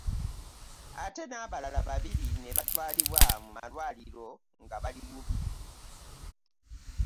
Ate n'abalala babiri ne batwalibwa mu malwaliro nga bali bubi.